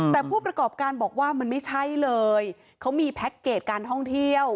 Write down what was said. แต่ผู้ประกอบการบอกว่ามันไม่ใช่เลยเขามีแพ็คเกจการท่องเที่ยว